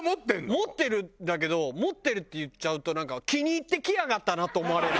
持ってるんだけど「持ってる」って言っちゃうとなんか気に入って来やがったなと思われる。